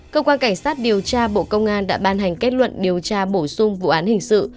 cơ quan cảnh sát điều tra bộ công an đã ban hành kết luận điều tra bổ sung vụ án hình sự